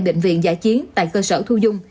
bệnh viện giải chiến tại cơ sở thu dung